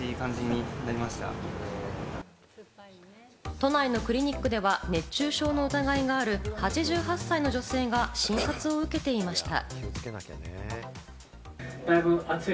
都内のクリニックでは熱中症の疑いがある８８歳の女性が診察を受けていました。